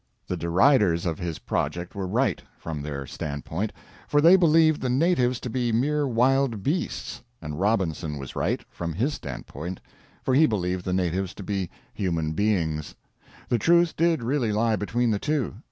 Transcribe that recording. The deriders of his project were right from their standpoint for they believed the natives to be mere wild beasts; and Robinson was right, from his standpoint for he believed the natives to be human beings. The truth did really lie between the two.